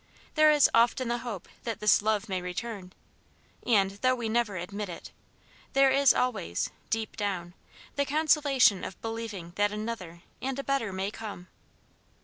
There is often the hope that this love may return; and, though we never admit it, there is always deep down the consolation of believing that another and a better may come.